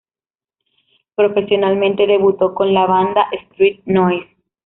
Profesionalmente debutó con la banda Street Noise.